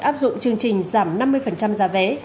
áp dụng chương trình giảm năm mươi giá vé